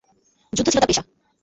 যুদ্ধ ছিল তার পেশা।